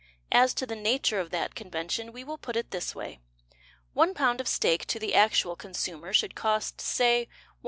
As to the nature of that convention We will put it this way: One pound of steak To the actual consumer Should cost, say, 1s.